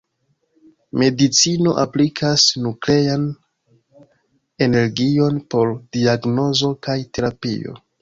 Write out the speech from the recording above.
Medicino aplikas nuklean energion por diagnozo kaj terapio.